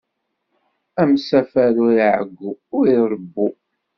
Amsafer ur iɛeggu, ur iṛebbu.